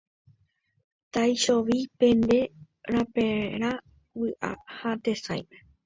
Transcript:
Taichovi pende raperã vy'a ha tesãime.